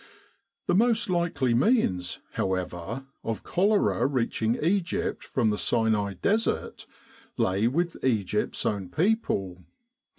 The most likely means, however, of cholera reaching Egypt from the Sinai Desert lay with Egypt's own people.